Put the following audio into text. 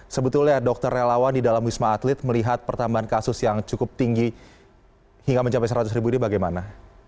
sebetulnya dokter relawan di dalam wisma atlet melihat pertambahan kasus yang cukup tinggi hingga mencapai seratus ribu ini bagaimana